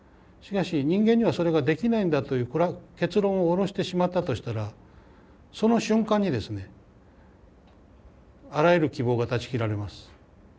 しかし人間にはそれができないんだというこれは結論を下ろしてしまったとしたらその瞬間にですねあらゆる希望が断ち切られます。